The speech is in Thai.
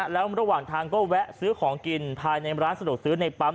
แล้วระหว่างทางก็แวะซื้อของกินภายในร้านสะดวกซื้อในปั๊ม